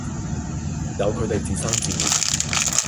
由佢地自生自滅